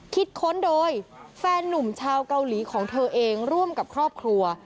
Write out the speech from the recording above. ค้นโดยแฟนนุ่มชาวเกาหลีของเธอเองร่วมกับครอบครัว